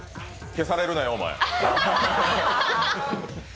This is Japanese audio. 消されるなよ、お前。